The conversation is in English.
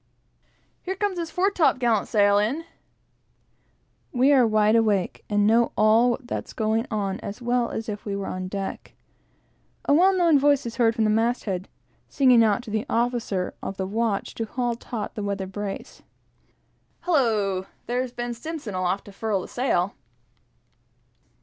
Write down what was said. "Here comes his fore top gallant sail in!" We are wide awake, and know all that's going on as well as if we were on deck. A well known voice is heard from the mast head singing out the officer of the watch to haul taut the weather brace. "Hallo! There's S aloft to furl the sail!"